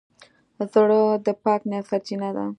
زړه د پاک نیت سرچینه ده.